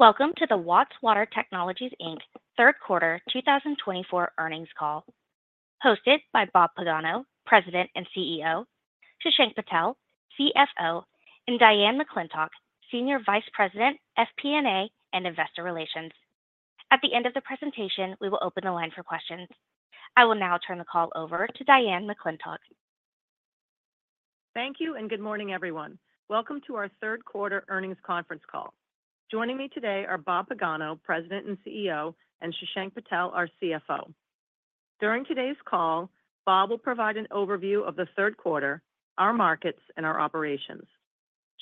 Welcome to the Watts Water Technologies, Inc. Third Quarter 2024 earnings call, hosted by Bob Pagano, President and CEO, Shashank Patel, CFO, and Diane McClintock, Senior Vice President, FP&A and Investor Relations. At the end of the presentation, we will open the line for questions. I will now turn the call over to Diane McClintock. Thank you and good morning, everyone. Welcome to our Third Quarter earnings conference call. Joining me today are Bob Pagano, President and CEO, and Shashank Patel, our CFO. During today's call, Bob will provide an overview of the third quarter, our markets, and our operations.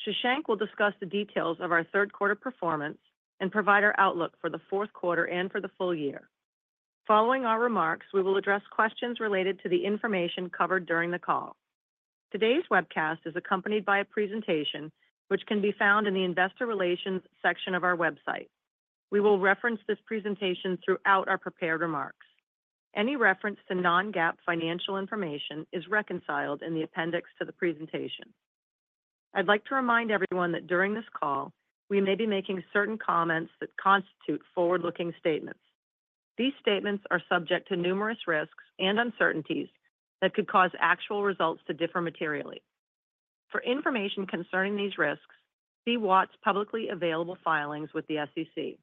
Shashank will discuss the details of our third quarter performance and provide our outlook for the fourth quarter and for the full year. Following our remarks, we will address questions related to the information covered during the call. Today's webcast is accompanied by a presentation which can be found in the Investor Relations section of our website. We will reference this presentation throughout our prepared remarks. Any reference to non-GAAP financial information is reconciled in the appendix to the presentation. I'd like to remind everyone that during this call, we may be making certain comments that constitute forward-looking statements. These statements are subject to numerous risks and uncertainties that could cause actual results to differ materially. For information concerning these risks, see Watts publicly available filings with the SEC.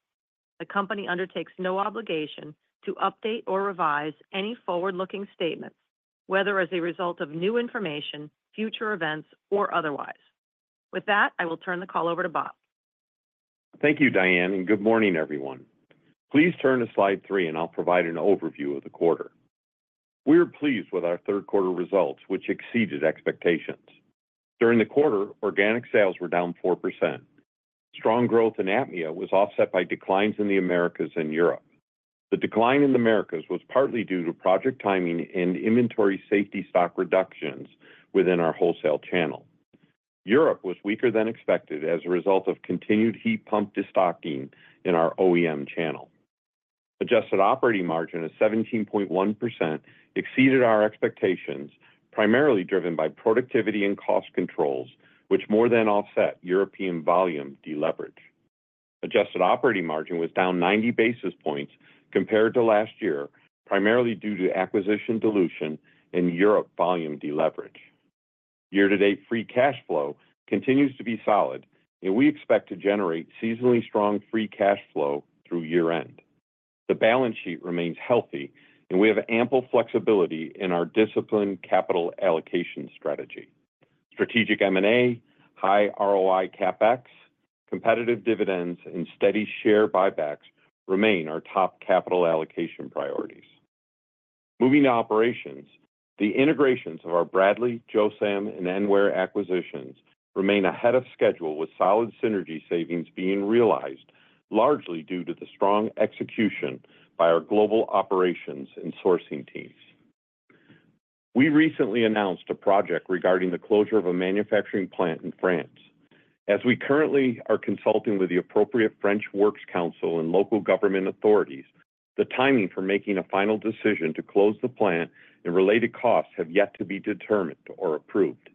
The company undertakes no obligation to update or revise any forward-looking statements, whether as a result of new information, future events, or otherwise. With that, I will turn the call over to Bob. Thank you, Diane, and good morning, everyone. Please turn to slide three, and I'll provide an overview of the quarter. We are pleased with our third quarter results, which exceeded expectations. During the quarter, organic sales were down 4%. Strong growth in APMEA was offset by declines in the Americas and Europe. The decline in the Americas was partly due to project timing and inventory safety stock reductions within our wholesale channel. Europe was weaker than expected as a result of continued heat pump destocking in our OEM channel. Adjusted operating margin of 17.1% exceeded our expectations, primarily driven by productivity and cost controls, which more than offset European volume deleverage. Adjusted operating margin was down 90 basis points compared to last year, primarily due to acquisition dilution and Europe volume deleverage. Year-to-date free cash flow continues to be solid, and we expect to generate seasonally strong free cash flow through year-end. The balance sheet remains healthy, and we have ample flexibility in our disciplined capital allocation strategy. Strategic M&A, high ROI CapEx, competitive dividends, and steady share buybacks remain our top capital allocation priorities. Moving to operations, the integrations of our Bradley, Josam, and Enware acquisitions remain ahead of schedule, with solid synergy savings being realized, largely due to the strong execution by our global operations and sourcing teams. We recently announced a project regarding the closure of a manufacturing plant in France. As we currently are consulting with the appropriate French Works Council and local government authorities, the timing for making a final decision to close the plant and related costs have yet to be determined or approved.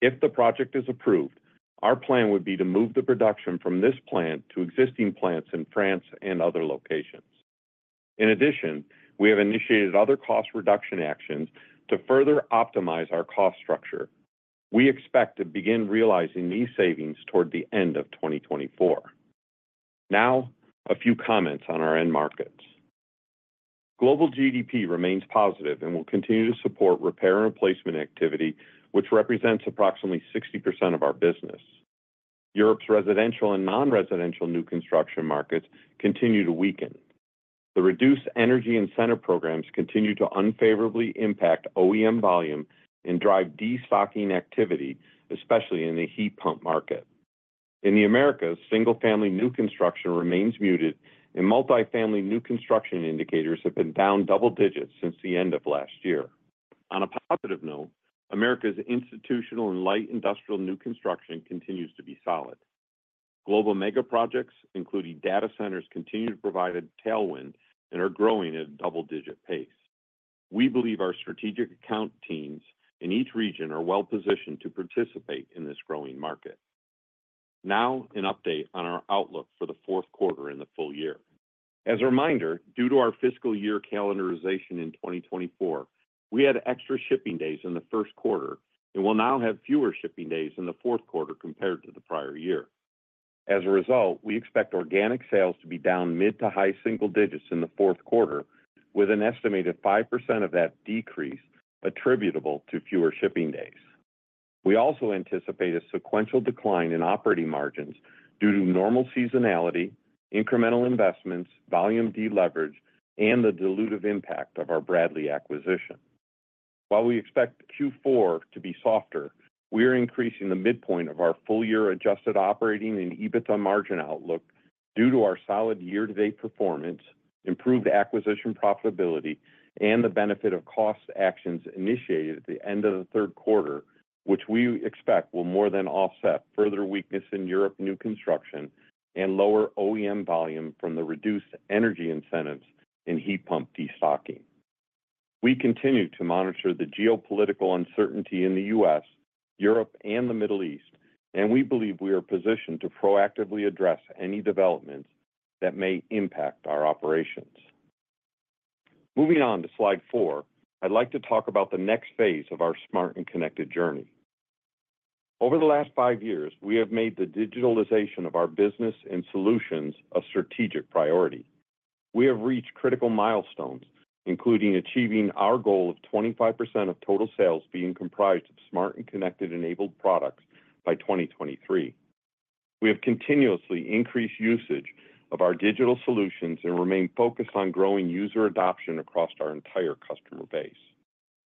If the project is approved, our plan would be to move the production from this plant to existing plants in France and other locations. In addition, we have initiated other cost reduction actions to further optimize our cost structure. We expect to begin realizing these savings toward the end of 2024. Now, a few comments on our end markets. Global GDP remains positive and will continue to support repair and replacement activity, which represents approximately 60% of our business. Europe's residential and non-residential new construction markets continue to weaken. The reduced energy incentive programs continue to unfavorably impact OEM volume and drive destocking activity, especially in the heat pump market. In the Americas, single-family new construction remains muted, and multi-family new construction indicators have been down double digits since the end of last year. On a positive note, Americas' institutional and light industrial new construction continues to be solid. Global mega projects, including data centers, continue to provide a tailwind and are growing at a double-digit pace. We believe our strategic account teams in each region are well-positioned to participate in this growing market. Now, an update on our outlook for the fourth quarter and the full year. As a reminder, due to our fiscal year calendarization in 2024, we had extra shipping days in the first quarter and will now have fewer shipping days in the fourth quarter compared to the prior year. As a result, we expect organic sales to be down mid- to high-single digits in the fourth quarter, with an estimated 5% of that decrease attributable to fewer shipping days. We also anticipate a sequential decline in operating margins due to normal seasonality, incremental investments, volume deleverage, and the dilutive impact of our Bradley acquisition. While we expect Q4 to be softer, we are increasing the midpoint of our full-year adjusted operating and EBITDA margin outlook due to our solid year-to-date performance, improved acquisition profitability, and the benefit of cost actions initiated at the end of the third quarter, which we expect will more than offset further weakness in Europe new construction and lower OEM volume from the reduced energy incentives and heat pump destocking. We continue to monitor the geopolitical uncertainty in the U.S., Europe, and the Middle East, and we believe we are positioned to proactively address any developments that may impact our operations. Moving on to slide four, I'd like to talk about the next phase of our smart and connected journey. Over the last five years, we have made the digitalization of our business and solutions a strategic priority. We have reached critical milestones, including achieving our goal of 25% of total sales being comprised of smart and connected-enabled products by 2023. We have continuously increased usage of our digital solutions and remained focused on growing user adoption across our entire customer base.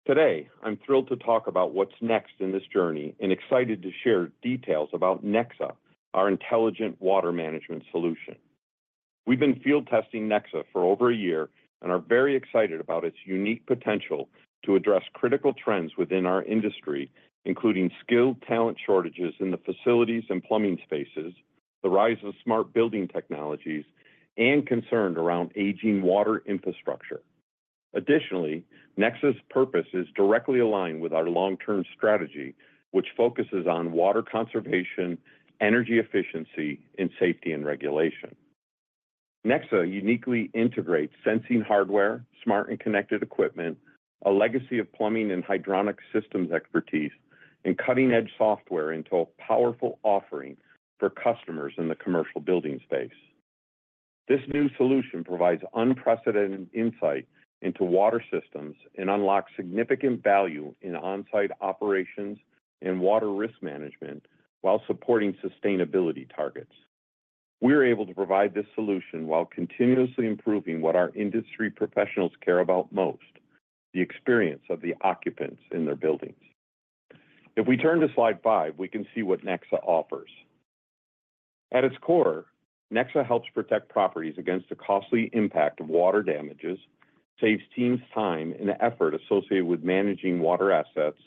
Today, I'm thrilled to talk about what's next in this journey and excited to share details about Nexa, our intelligent water management solution. We've been field testing Nexa for over a year and are very excited about its unique potential to address critical trends within our industry, including skilled talent shortages in the facilities and plumbing spaces, the rise of smart building technologies, and concerns around aging water infrastructure. Additionally, Nexa's purpose is directly aligned with our long-term strategy, which focuses on water conservation, energy efficiency, and safety and regulation. Nexa uniquely integrates sensing hardware, smart and connected equipment, a legacy of plumbing and hydronic systems expertise, and cutting-edge software into a powerful offering for customers in the commercial building space. This new solution provides unprecedented insight into water systems and unlocks significant value in on-site operations and water risk management while supporting sustainability targets. We are able to provide this solution while continuously improving what our industry professionals care about most: the experience of the occupants in their buildings. If we turn to slide five, we can see what Nexa offers. At its core, Nexa helps protect properties against the costly impact of water damages, saves teams time and effort associated with managing water assets,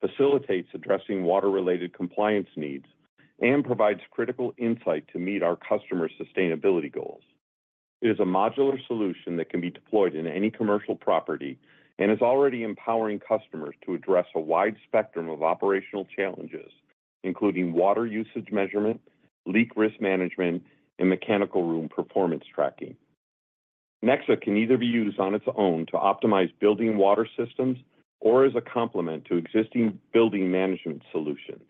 facilitates addressing water-related compliance needs, and provides critical insight to meet our customer sustainability goals. It is a modular solution that can be deployed in any commercial property and is already empowering customers to address a wide spectrum of operational challenges, including water usage measurement, leak risk management, and mechanical room performance tracking. Nexa can either be used on its own to optimize building water systems or as a complement to existing building management solutions.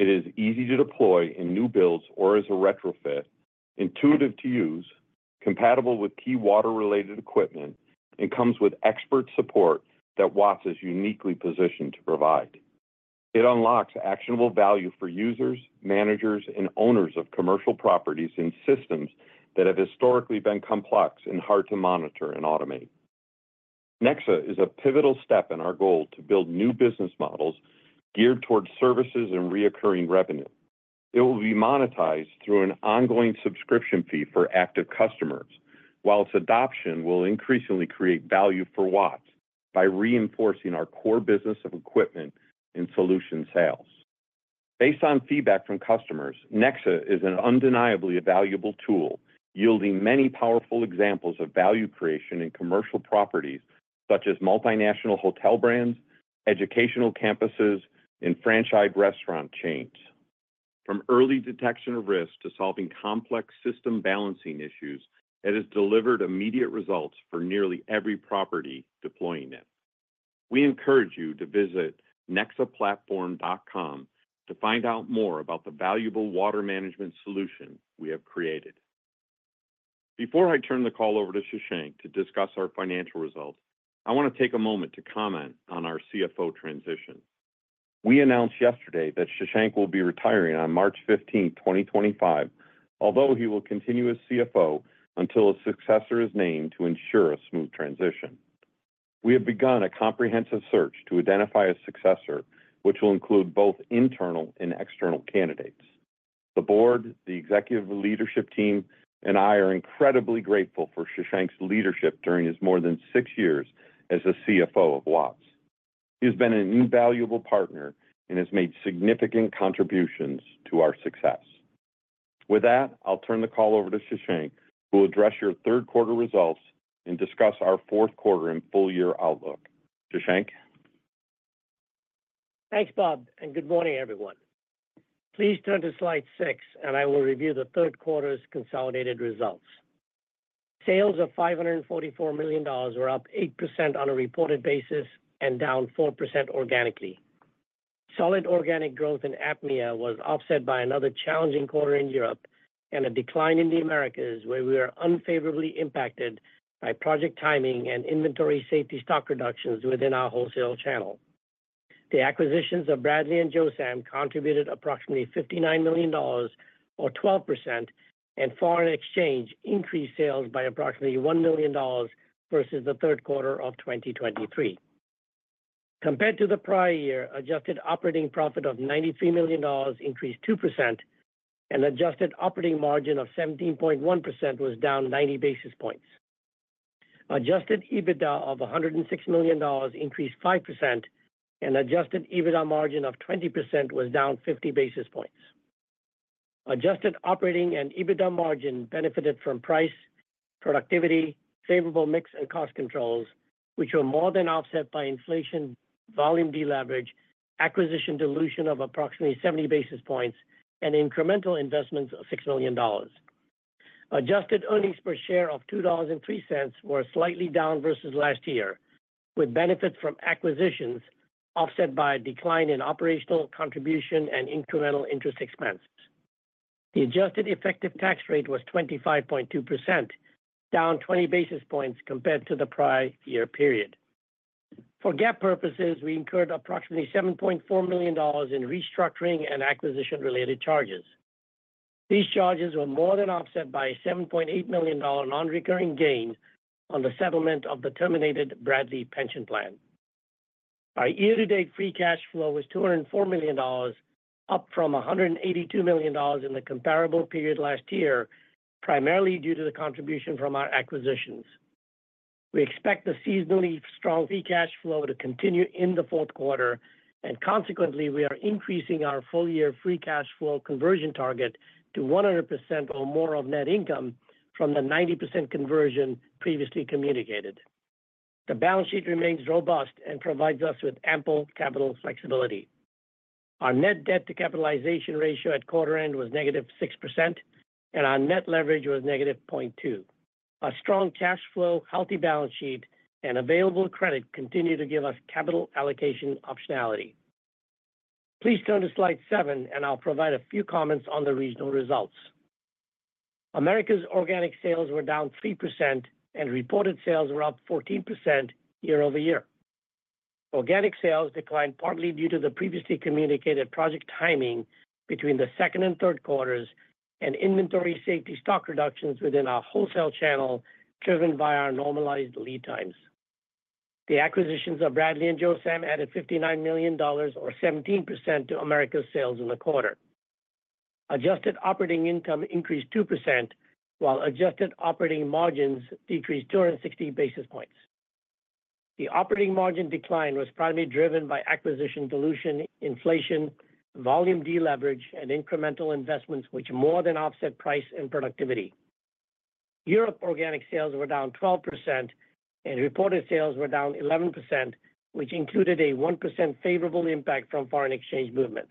It is easy to deploy in new builds or as a retrofit, intuitive to use, compatible with key water-related equipment, and comes with expert support that Watts is uniquely positioned to provide. It unlocks actionable value for users, managers, and owners of commercial properties and systems that have historically been complex and hard to monitor and automate. Nexa is a pivotal step in our goal to build new business models geared toward services and recurring revenue. It will be monetized through an ongoing subscription fee for active customers, while its adoption will increasingly create value for Watts by reinforcing our core business of equipment and solution sales. Based on feedback from customers, Nexa is an undeniably valuable tool, yielding many powerful examples of value creation in commercial properties such as multinational hotel brands, educational campuses, and franchise restaurant chains. From early detection of risk to solving complex system balancing issues, it has delivered immediate results for nearly every property deploying it. We encourage you to visit nexaplatform.com to find out more about the valuable water management solution we have created. Before I turn the call over to Shashank to discuss our financial results, I want to take a moment to comment on our CFO transition. We announced yesterday that Shashank will be retiring on March 15, 2025, although he will continue as CFO until a successor is named to ensure a smooth transition. We have begun a comprehensive search to identify a successor, which will include both internal and external candidates. The board, the executive leadership team, and I are incredibly grateful for Shashank's leadership during his more than six years as the CFO of Watts. He has been an invaluable partner and has made significant contributions to our success. With that, I'll turn the call over to Shashank, who will address your third quarter results and discuss our fourth quarter and full-year outlook. Shashank? Thanks, Bob, and good morning, everyone. Please turn to slide six, and I will review the third quarter's consolidated results. Sales of $544 million were up 8% on a reported basis and down 4% organically. Solid organic growth in APMEA was offset by another challenging quarter in Europe and a decline in the Americas, where we were unfavorably impacted by project timing and inventory safety stock reductions within our wholesale channel. The acquisitions of Bradley and Josam contributed approximately $59 million, or 12%, and foreign exchange increased sales by approximately $1 million versus the third quarter of 2023. Compared to the prior year, adjusted operating profit of $93 million increased 2%, and adjusted operating margin of 17.1% was down 90 basis points. Adjusted EBITDA of $106 million increased 5%, and adjusted EBITDA margin of 20% was down 50 basis points. Adjusted operating and EBITDA margin benefited from price, productivity, favorable mix, and cost controls, which were more than offset by inflation, volume deleverage, acquisition dilution of approximately 70 basis points, and incremental investments of $6 million. Adjusted earnings per share of $2.03 were slightly down versus last year, with benefits from acquisitions offset by a decline in operational contribution and incremental interest expenses. The adjusted effective tax rate was 25.2%, down 20 basis points compared to the prior year period. For GAAP purposes, we incurred approximately $7.4 million in restructuring and acquisition-related charges. These charges were more than offset by a $7.8 million non-recurring gain on the settlement of the terminated Bradley pension plan. Our year-to-date free cash flow was $204 million, up from $182 million in the comparable period last year, primarily due to the contribution from our acquisitions. We expect the seasonally strong free cash flow to continue in the fourth quarter, and consequently, we are increasing our full-year free cash flow conversion target to 100% or more of net income from the 90% conversion previously communicated. The balance sheet remains robust and provides us with ample capital flexibility. Our net debt-to-capitalization ratio at quarter-end was negative 6%, and our net leverage was negative 0.2. A strong cash flow, healthy balance sheet, and available credit continue to give us capital allocation optionality. Please turn to slide seven, and I'll provide a few comments on the regional results. Americas organic sales were down 3%, and reported sales were up 14% year over year. Organic sales declined partly due to the previously communicated project timing between the second and third quarters and inventory safety stock reductions within our wholesale channel driven by our normalized lead times. The acquisitions of Bradley and Josam added $59 million, or 17%, to Americas sales in the quarter. Adjusted operating income increased 2%, while adjusted operating margins decreased 260 basis points. The operating margin decline was primarily driven by acquisition dilution, inflation, volume deleverage, and incremental investments, which more than offset price and productivity. Europe organic sales were down 12%, and reported sales were down 11%, which included a 1% favorable impact from foreign exchange movements.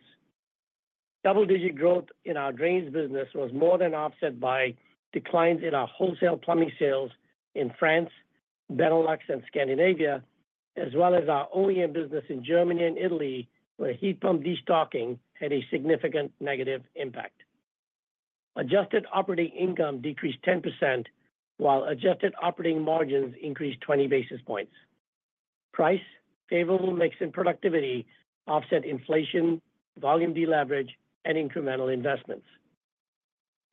Double-digit growth in our drains business was more than offset by declines in our wholesale plumbing sales in France, Benelux, and Scandinavia, as well as our OEM business in Germany and Italy, where heat pump destocking had a significant negative impact. Adjusted operating income decreased 10%, while adjusted operating margins increased 20 basis points. Price, favorable mix, and productivity offset inflation, volume deleverage, and incremental investments.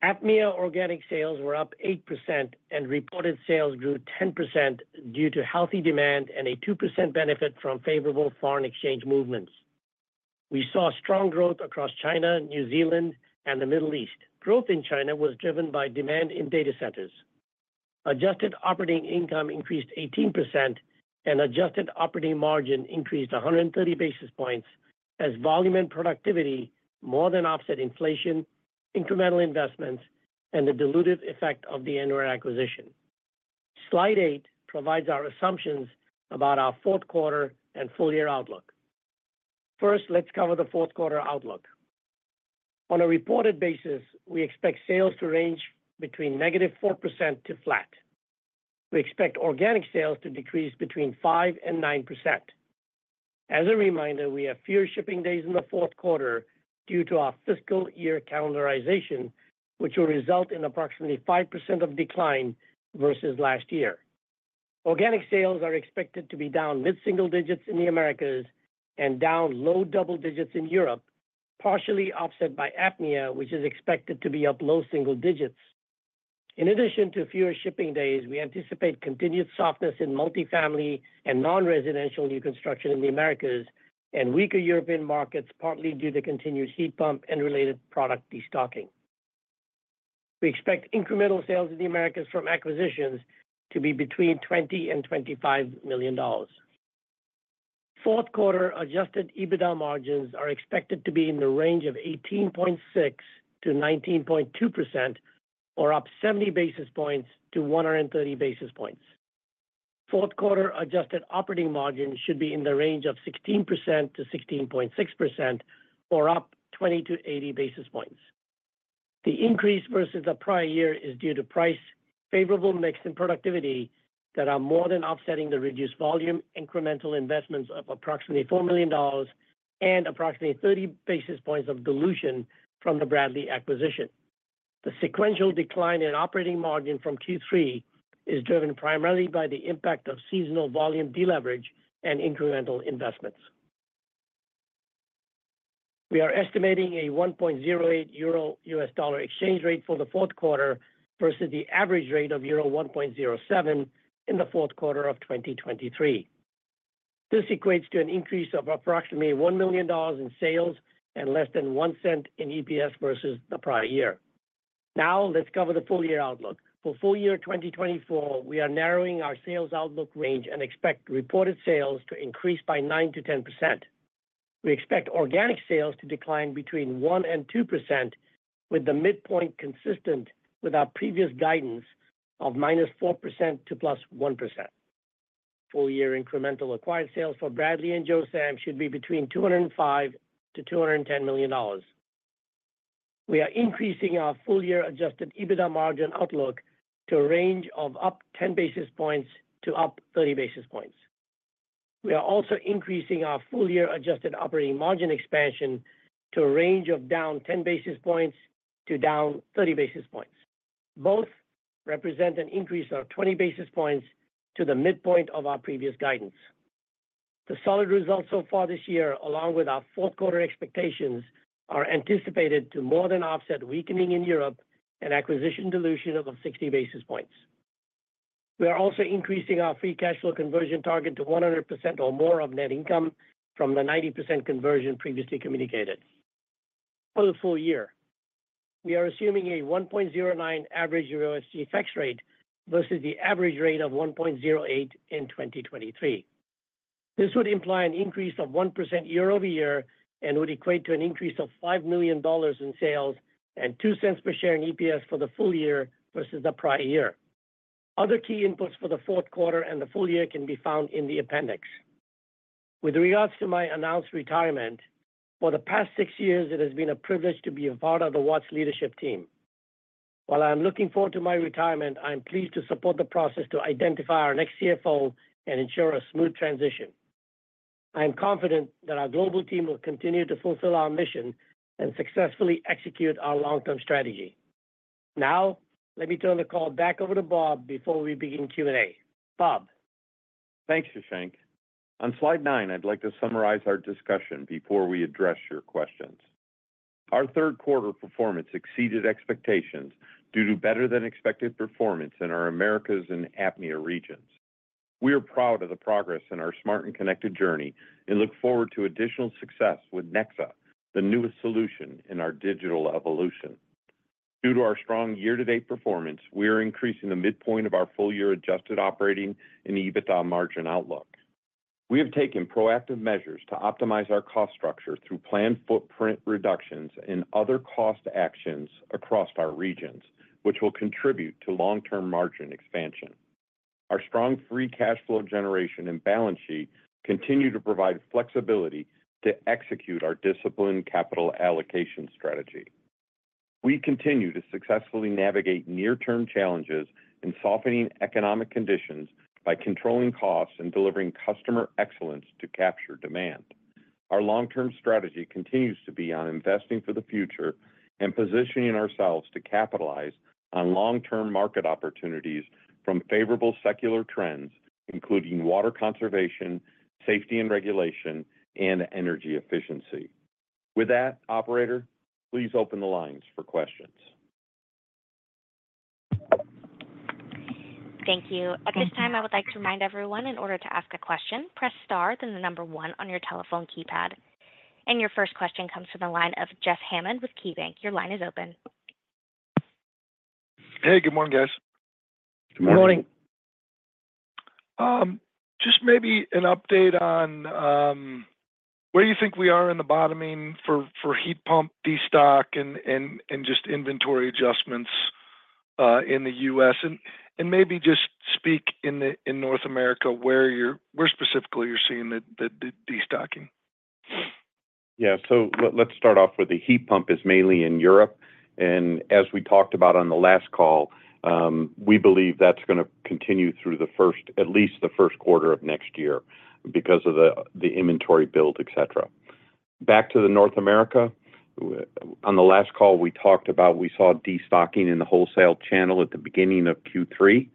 APMEA organic sales were up 8%, and reported sales grew 10% due to healthy demand and a 2% benefit from favorable foreign exchange movements. We saw strong growth across China, New Zealand, and the Middle East. Growth in China was driven by demand in data centers. Adjusted operating income increased 18%, and adjusted operating margin increased 130 basis points as volume and productivity more than offset inflation, incremental investments, and the dilutive effect of the Enware acquisition. Slide eight provides our assumptions about our fourth quarter and full-year outlook. First, let's cover the fourth quarter outlook. On a reported basis, we expect sales to range between negative 4% to flat. We expect organic sales to decrease between 5% and 9%. As a reminder, we have fewer shipping days in the fourth quarter due to our fiscal year calendarization, which will result in approximately 5% of decline versus last year. Organic sales are expected to be down mid-single digits in the Americas and down low double digits in Europe, partially offset by APMEA, which is expected to be up low single digits. In addition to fewer shipping days, we anticipate continued softness in multifamily and non-residential new construction in the Americas and weaker European markets, partly due to continued heat pump and related product destocking. We expect incremental sales in the Americas from acquisitions to be between $20 and $25 million. Fourth quarter Adjusted EBITDA margins are expected to be in the range of 18.6% to 19.2%, or up 70 basis points to 130 basis points. Fourth quarter adjusted operating margin should be in the range of 16% to 16.6%, or up 20 to 80 basis points. The increase versus the prior year is due to price, favorable mix, and productivity that are more than offsetting the reduced volume, incremental investments of approximately $4 million and approximately 30 basis points of dilution from the Bradley acquisition. The sequential decline in operating margin from Q3 is driven primarily by the impact of seasonal volume deleverage and incremental investments. We are estimating a 1.08 euro US dollar exchange rate for the fourth quarter versus the average rate of euro 1.07 in the fourth quarter of 2023. This equates to an increase of approximately $1 million in sales and less than $0.01 in EPS versus the prior year. Now, let's cover the full-year outlook. For full-year 2024, we are narrowing our sales outlook range and expect reported sales to increase by 9%-10%. We expect organic sales to decline between 1% and 2%, with the midpoint consistent with our previous guidance of -4% to +1%. Full-year incremental acquired sales for Bradley and Josam should be between $205-$210 million. We are increasing our full-year adjusted EBITDA margin outlook to a range of +10 basis points to +30 basis points. We are also increasing our full-year adjusted operating margin expansion to a range of -10 basis points to -30 basis points. Both represent an increase of 20 basis points to the midpoint of our previous guidance. The solid results so far this year, along with our fourth quarter expectations, are anticipated to more than offset weakening in Europe and acquisition dilution of 60 basis points. We are also increasing our free cash flow conversion target to 100% or more of net income from the 90% conversion previously communicated. For the full year, we are assuming a 1.09 average USD FX rate versus the average rate of 1.08 in 2023. This would imply an increase of 1% year over year and would equate to an increase of $5 million in sales and $0.02 per share in EPS for the full year versus the prior year. Other key inputs for the fourth quarter and the full year can be found in the appendix. With regards to my announced retirement, for the past six years, it has been a privilege to be a part of the Watts leadership team. While I am looking forward to my retirement, I am pleased to support the process to identify our next CFO and ensure a smooth transition. I am confident that our global team will continue to fulfill our mission and successfully execute our long-term strategy. Now, let me turn the call back over to Bob before we begin Q&A. Bob. Thanks, Shashank. On slide nine, I'd like to summarize our discussion before we address your questions. Our third quarter performance exceeded expectations due to better-than-expected performance in our Americas and APMEA regions. We are proud of the progress in our Smart and Connected journey and look forward to additional success with Nexa, the newest solution in our digital evolution. Due to our strong year-to-date performance, we are increasing the midpoint of our full-year adjusted operating and EBITDA margin outlook. We have taken proactive measures to optimize our cost structure through planned footprint reductions and other cost actions across our regions, which will contribute to long-term margin expansion. Our strong free cash flow generation and balance sheet continue to provide flexibility to execute our disciplined capital allocation strategy. We continue to successfully navigate near-term challenges in softening economic conditions by controlling costs and delivering customer excellence to capture demand. Our long-term strategy continues to be on investing for the future and positioning ourselves to capitalize on long-term market opportunities from favorable secular trends, including water conservation, safety and regulation, and energy efficiency. With that, operator, please open the lines for questions. Thank you. At this time, I would like to remind everyone, in order to ask a question, press star, then the number one on your telephone keypad. And your first question comes from the line of Jeff Hammond with KeyBank. Your line is open. Hey, good morning, guys. Good morning. Good morning. Just maybe an update on where you think we are in the bottoming for heat pump destocking and just inventory adjustments in the U.S., and maybe just speak in North America where specifically you're seeing the destocking? Yeah. So let's start off with the heat pump is mainly in Europe. And as we talked about on the last call, we believe that's going to continue through at least the first quarter of next year because of the inventory build, etc. Back to North America, on the last call, we talked about we saw destocking in the wholesale channel at the beginning of Q3.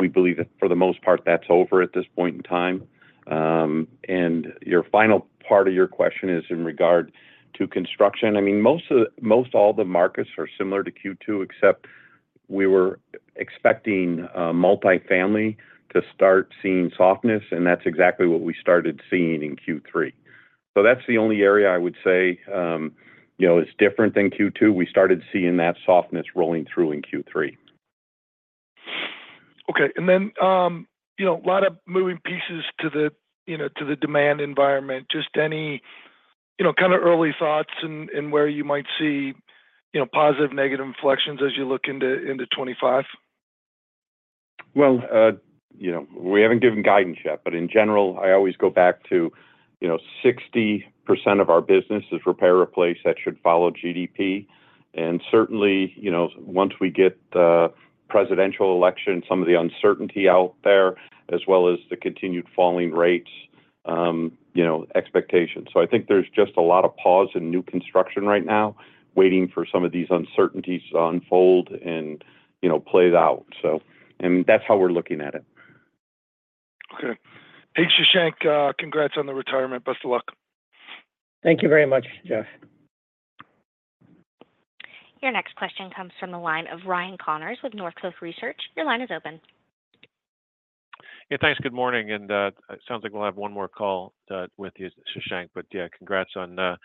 We believe that for the most part, that's over at this point in time. And your final part of your question is in regard to construction. I mean, most all the markets are similar to Q2, except we were expecting multifamily to start seeing softness, and that's exactly what we started seeing in Q3. So that's the only area I would say is different than Q2. We started seeing that softness rolling through in Q3. Okay. And then a lot of moving pieces to the demand environment. Just any kind of early thoughts and where you might see positive, negative inflections as you look into 2025? We haven't given guidance yet, but in general, I always go back to 60% of our business is repair, replace that should follow GDP. Certainly, once we get the presidential election, some of the uncertainty out there, as well as the continued falling rates expectations. I think there's just a lot of pause in new construction right now, waiting for some of these uncertainties to unfold and play it out. I mean, that's how we're looking at it. Okay. Hey, Shashank, congrats on the retirement. Best of luck. Thank you very much, Jeff. Your next question comes from the line of Ryan Connors with North Coast Research. Your line is open. Yeah. Thanks. Good morning, and it sounds like we'll have one more call with you, Shashank, but yeah, congrats on the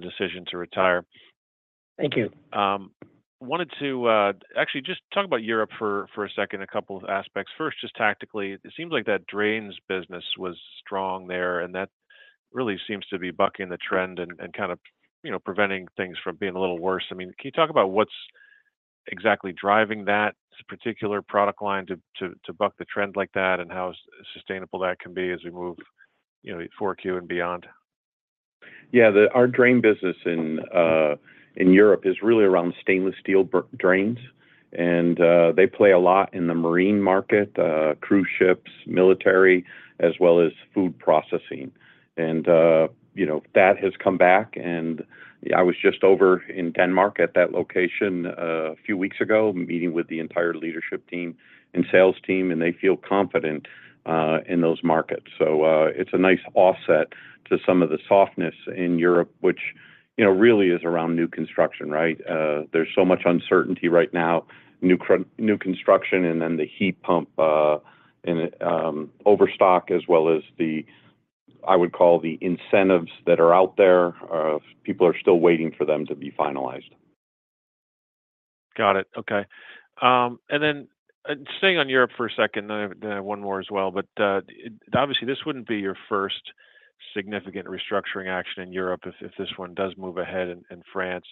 decision to retire. Thank you. Wanted to actually just talk about Europe for a second, a couple of aspects. First, just tactically, it seems like that drains business was strong there, and that really seems to be bucking the trend and kind of preventing things from being a little worse. I mean, can you talk about what's exactly driving that particular product line to buck the trend like that and how sustainable that can be as we move 4Q and beyond? Yeah. Our drain business in Europe is really around stainless steel drains, and they play a lot in the marine market, cruise ships, military, as well as food processing. And that has come back. And I was just over in Denmark at that location a few weeks ago, meeting with the entire leadership team and sales team, and they feel confident in those markets. So it's a nice offset to some of the softness in Europe, which really is around new construction, right? There's so much uncertainty right now, new construction, and then the heat pump and overstock, as well as the, I would call, the incentives that are out there. People are still waiting for them to be finalized. Got it. Okay. And then staying on Europe for a second, then I have one more as well. But obviously, this wouldn't be your first significant restructuring action in Europe if this one does move ahead in France.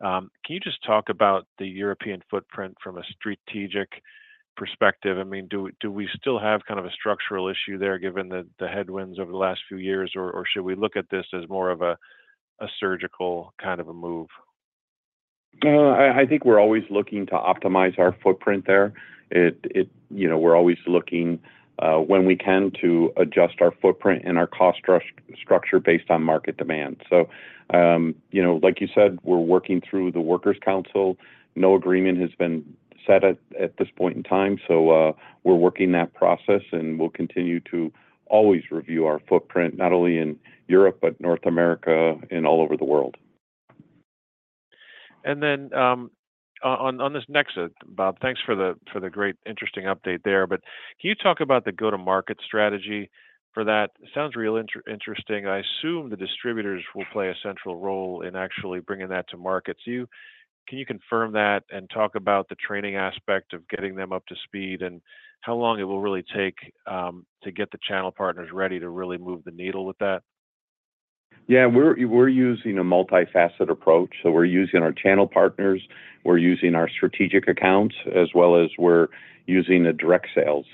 Can you just talk about the European footprint from a strategic perspective? I mean, do we still have kind of a structural issue there given the headwinds over the last few years, or should we look at this as more of a surgical kind of a move? I think we're always looking to optimize our footprint there. We're always looking, when we can, to adjust our footprint and our cost structure based on market demand. So, like you said, we're working through the Works Council. No agreement has been set at this point in time. So we're working that process, and we'll continue to always review our footprint, not only in Europe, but North America and all over the world. And then on this next, Bob, thanks for the great, interesting update there. But can you talk about the go-to-market strategy for that? Sounds real interesting. I assume the distributors will play a central role in actually bringing that to market. Can you confirm that and talk about the training aspect of getting them up to speed and how long it will really take to get the channel partners ready to really move the needle with that? Yeah. We're using a multifaceted approach. So we're using our channel partners. We're using our strategic accounts, as well as we're using the direct sales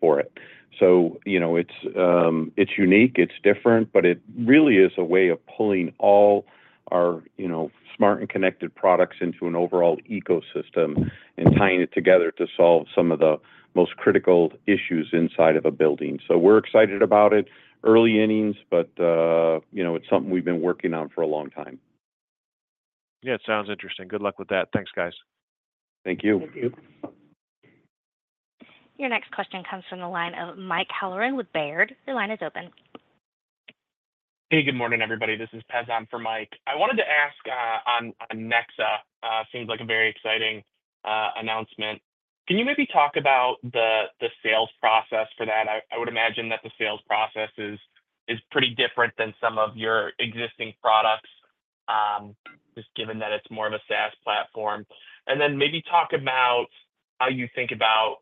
for it. So it's unique. It's different, but it really is a way of pulling all our Smart and Connected products into an overall ecosystem and tying it together to solve some of the most critical issues inside of a building. So we're excited about it, early innings, but it's something we've been working on for a long time. Yeah. It sounds interesting. Good luck with that. Thanks, guys. Thank you. Thank you. Your next question comes from the line of Mike Halloran with Baird. Your line is open. Hey, good morning, everybody. This is Pezan for Mike. I wanted to ask on Nexa. Seems like a very exciting announcement. Can you maybe talk about the sales process for that? I would imagine that the sales process is pretty different than some of your existing products, just given that it's more of a SaaS platform. And then maybe talk about how you think about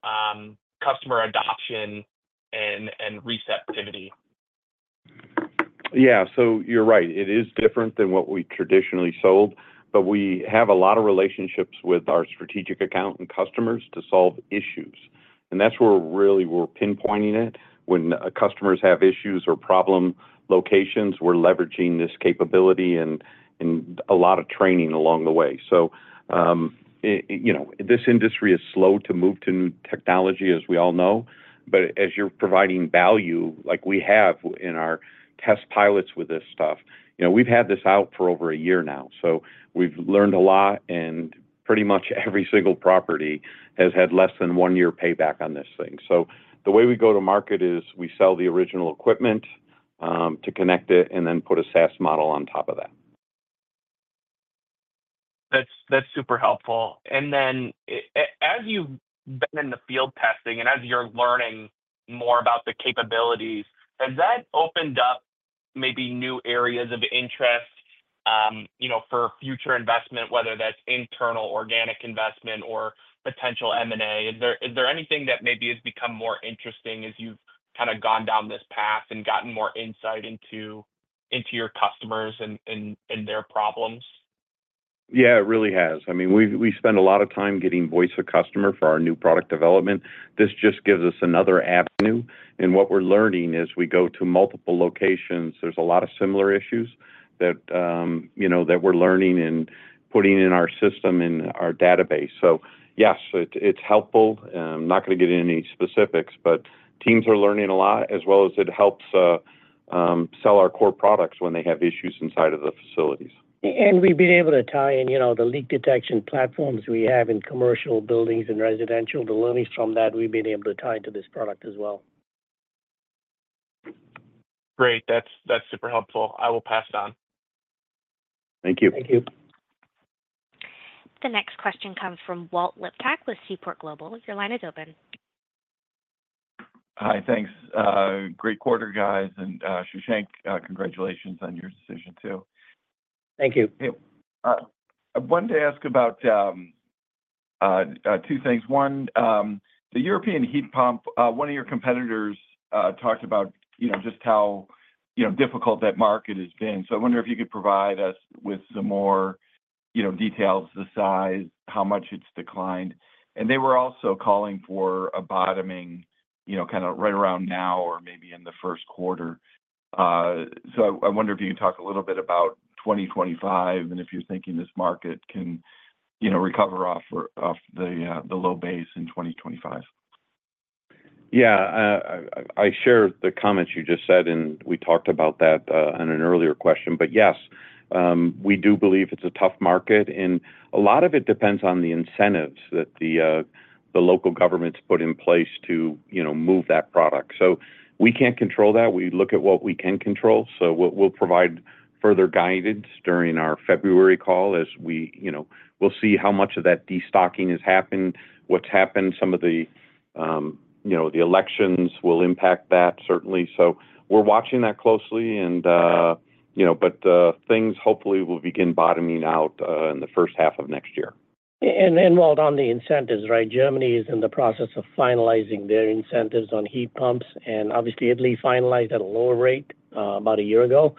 customer adoption and receptivity. Yeah. So you're right. It is different than what we traditionally sold, but we have a lot of relationships with our strategic account and customers to solve issues. And that's where really we're pinpointing it. When customers have issues or problem locations, we're leveraging this capability and a lot of training along the way. So this industry is slow to move to new technology, as we all know. But as you're providing value, like we have in our test pilots with this stuff, we've had this out for over a year now. So we've learned a lot, and pretty much every single property has had less than one year payback on this thing. So the way we go to market is we sell the original equipment to connect it and then put a SaaS model on top of that. That's super helpful. And then as you've been in the field testing and as you're learning more about the capabilities, has that opened up maybe new areas of interest for future investment, whether that's internal organic investment or potential M&A? Is there anything that maybe has become more interesting as you've kind of gone down this path and gotten more insight into your customers and their problems? Yeah, it really has. I mean, we spend a lot of time getting voice of customer for our new product development. This just gives us another avenue. And what we're learning is we go to multiple locations. There's a lot of similar issues that we're learning and putting in our system and our database. So yes, it's helpful. I'm not going to get into any specifics, but teams are learning a lot, as well as it helps sell our core products when they have issues inside of the facilities. We've been able to tie in the leak detection platforms we have in commercial buildings and residential. The learnings from that, we've been able to tie into this product as well. Great. That's super helpful. I will pass it on. Thank you. Thank you. The next question comes from Walt Liptak with Seaport Global. Your line is open. Hi. Thanks. Great quarter, guys. And Shashank, congratulations on your decision too. Thank you. I wanted to ask about two things. One, the European heat pump, one of your competitors talked about just how difficult that market has been. So I wonder if you could provide us with some more details, the size, how much it's declined. And they were also calling for a bottoming kind of right around now or maybe in the first quarter. So I wonder if you can talk a little bit about 2025 and if you're thinking this market can recover off the low base in 2025. Yeah. I share the comments you just said, and we talked about that in an earlier question. But yes, we do believe it's a tough market. And a lot of it depends on the incentives that the local governments put in place to move that product. So we can't control that. We look at what we can control. So we'll provide further guidance during our February call as we'll see how much of that destocking has happened, what's happened. Some of the elections will impact that, certainly. So we're watching that closely. But things hopefully will begin bottoming out in the first half of next year. And Walt, on the incentives, right? Germany is in the process of finalizing their incentives on heat pumps. And obviously, it'll be finalized at a lower rate about a year ago.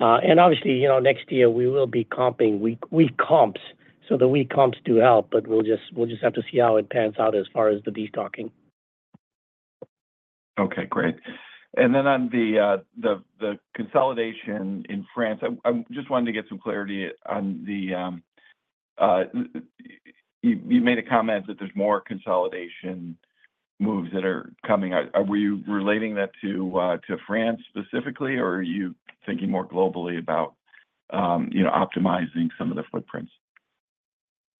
And obviously, next year, we will be comping weak comps. So the weak comps do help, but we'll just have to see how it pans out as far as the destocking. Okay. Great. And then on the consolidation in France, I just wanted to get some clarity on that you made a comment that there's more consolidation moves that are coming. Were you relating that to France specifically, or are you thinking more globally about optimizing some of the footprints?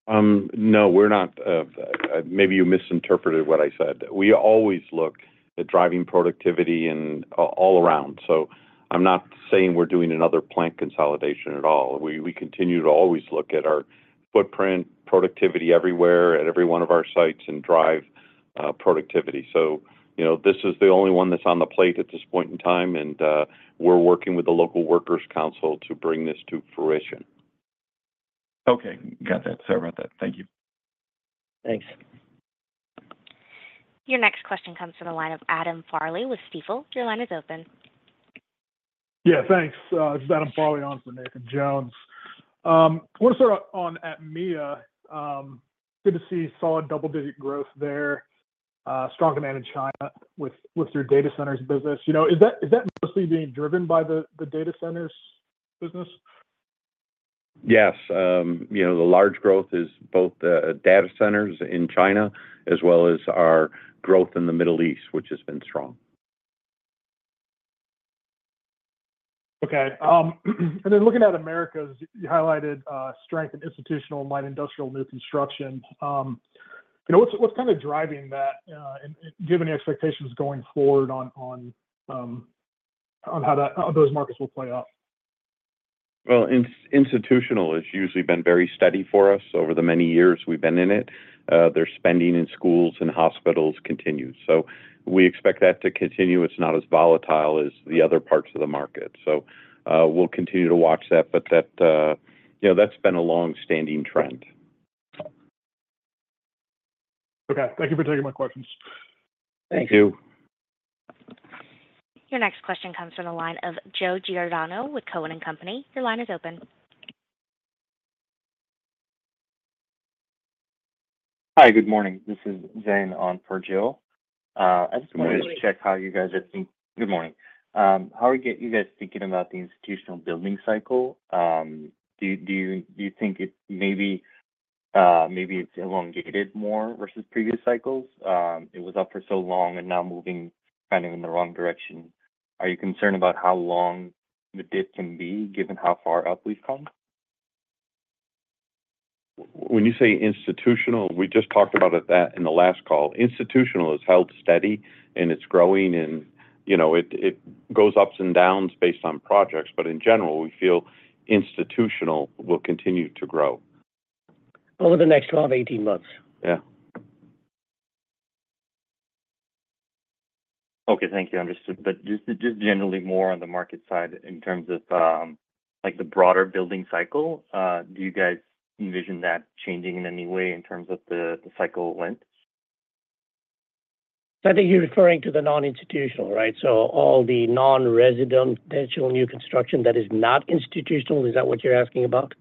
No, we're not. Maybe you misinterpreted what I said. We always look at driving productivity all around. So I'm not saying we're doing another plant consolidation at all. We continue to always look at our footprint, productivity everywhere at every one of our sites, and drive productivity. So this is the only one that's on the plate at this point in time, and we're working with the local workers' council to bring this to fruition. Okay. Got that. Sorry about that. Thank you. Thanks. Your next question comes from the line of Adam Farley with Stifel. Your line is open. Yeah. Thanks. This is Adam Farley on for Nathan Jones. I want to start on APMEA. Good to see solid double-digit growth there, strong demand in China with your data centers business. Is that mostly being driven by the data centers business? Yes. The large growth is both data centers in China as well as our growth in the Middle East, which has been strong. Okay. And then looking at Americas, you highlighted strength in institutional and light industrial new construction. What's kind of driving that? Do you have any expectations going forward on how those markets will play out? Well, institutional has usually been very steady for us over the many years we've been in it. Their spending in schools and hospitals continues. So we expect that to continue. It's not as volatile as the other parts of the market. So we'll continue to watch that, but that's been a long-standing trend. Okay. Thank you for taking my questions. Thank you. Your next question comes from the line of Joe Giordano with TD Cowen. Your line is open. Hi. Good morning. This is Zane on for Joe. Good morning. How are you guys thinking about the institutional building cycle? Do you think it maybe it's elongated more versus previous cycles? It was up for so long and now moving kind of in the wrong direction. Are you concerned about how long the dip can be given how far up we've come? When you say institutional, we just talked about that in the last call. Institutional has held steady, and it's growing, and it goes ups and downs based on projects. But in general, we feel institutional will continue to grow. Over the next 12 to 18 months. Yeah. Okay. Thank you. Understood. But just generally more on the market side in terms of the broader building cycle, do you guys envision that changing in any way in terms of the cycle length? So I think you're referring to the non-institutional, right? So all the non-residential new construction that is not institutional, is that what you're asking about?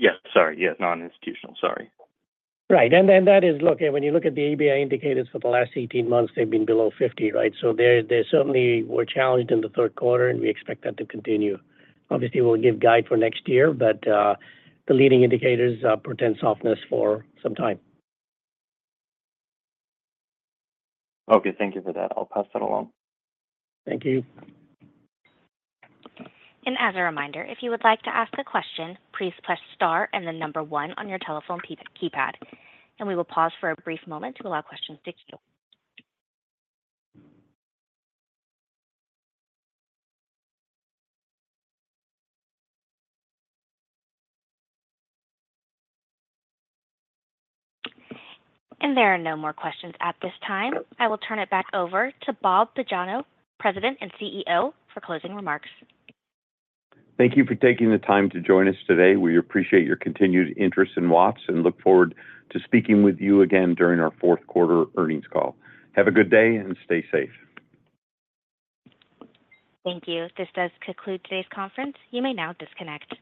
Yes. Sorry. Yes. Non-institutional. Sorry. Right. And that is, look, when you look at the ABI indicators for the last 18 months, they've been below 50, right? So they certainly were challenged in the third quarter, and we expect that to continue. Obviously, we'll give guide for next year, but the leading indicators portend softness for some time. Okay. Thank you for that. I'll pass that along. Thank you. As a reminder, if you would like to ask a question, please press star and then number one on your telephone keypad. We will pause for a brief moment to allow questions to queue. There are no more questions at this time. I will turn it back over to Bob Pagano, President and CEO, for closing remarks. Thank you for taking the time to join us today. We appreciate your continued interest in Watts and look forward to speaking with you again during our fourth quarter earnings call. Have a good day and stay safe. Thank you. This does conclude today's conference. You may now disconnect.